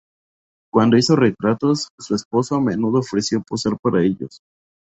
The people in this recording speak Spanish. Cuando hizo retratos, su esposo a menudo ofreció posar para ellos.